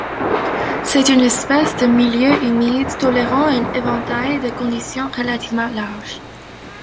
C'est une espèce de milieux humides tolérant un éventail de conditions relativement large.